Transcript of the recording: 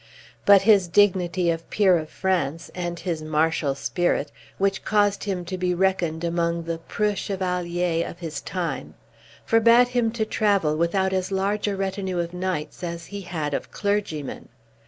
But his dignity of peer of France, and his martial spirit, which caused him to be reckoned among the "preux chevaliers" of his time, forbade him to travel without as large a retinue of knights as he had of clergymen.